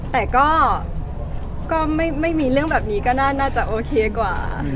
แต่ก็ไม่มีเรื่องแบบนี้ก็น่าจะโอเคกว่า